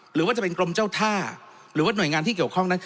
หรือว่าจะเป็นกรมเจ้าท่าหรือว่าหน่วยงานที่เกี่ยวข้องนั้น